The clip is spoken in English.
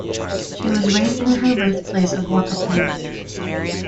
She was raised in her birthplace of Whakatane.